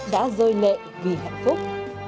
đã rơi lệ vì hạnh phúc